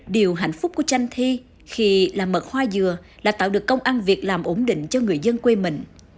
điều hạnh phúc của chanh thi khi làm mật hoa dừa là tạo được công ăn việc làm ổn định cho người dân quê mình